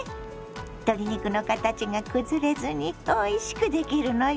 鶏肉の形が崩れずにおいしくできるのよ。